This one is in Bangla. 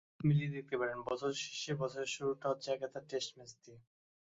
মিলিয়ে দেখতে পারেন বছর শেষে—বছরের শুরুটা হচ্ছে একগাদা টেস্ট ম্যাচ দিয়ে।